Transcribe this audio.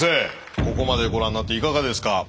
ここまでご覧になっていかがですか？